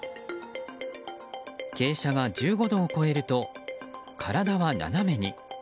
傾斜が１５度を超えると体は斜めに。